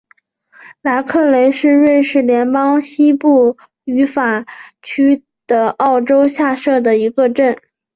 莱克雷是瑞士联邦西部法语区的沃州下设的一个镇。